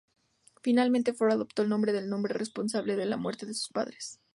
Finalmente, Ford adoptó el nombre del hombre responsable de la muerte de sus padres.